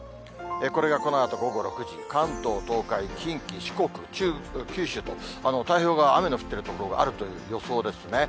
これがこのあと午後６時、関東、東海、近畿、四国、九州と、太平洋側、雨の降ってる所があるという予想ですね。